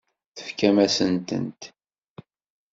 Tfakem-asen-tent.